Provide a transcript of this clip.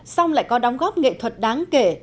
xong lại có đóng góp nghệ thuật đáng kể